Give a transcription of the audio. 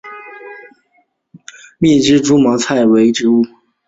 密枝猪毛菜为苋科猪毛菜属的植物。